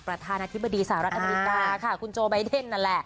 ประธานาธิบดีสหรัฐอเมริกาค่ะคุณโจไบเดนนั่นแหละ